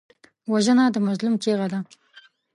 وژنه د مظلوم چیغه ده